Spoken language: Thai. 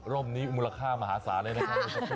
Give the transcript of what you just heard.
ร่วมนี้มูลค่ามหาศาสตร์ได้นะครับ